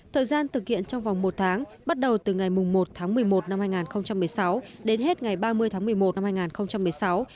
thời gian thực hiện trong vòng một tháng bắt đầu từ ngày một tháng một mươi một năm hai nghìn một mươi sáu đến hết ngày ba mươi tháng một mươi một năm hai nghìn một mươi sáu